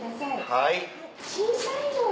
はい。